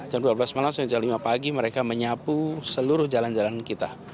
jam dua belas malam sampai jam lima pagi mereka menyapu seluruh jalan jalan kita